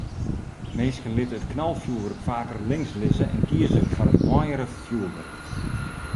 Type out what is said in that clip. Minsken litte it knalfjoerwurk faker links lizze en kieze foar it moaiere fjoerwurk.